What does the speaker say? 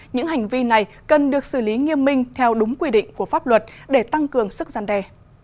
những hành vi này cần được xử lý nghiêm minh theo đúng quy định của pháp luật để tăng cường sức gian đề